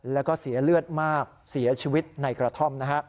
แล้วก็เสียเลือดมากเสียชีวิตในกระท่อมนะฮะ